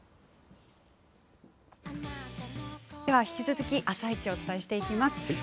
引き続き「あさイチ」をお伝えしていきます。